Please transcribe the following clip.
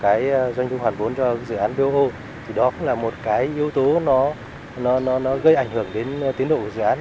cái doanh thu hoàn vốn cho dự án bot thì đó cũng là một cái yếu tố nó gây ảnh hưởng đến tiến độ của dự án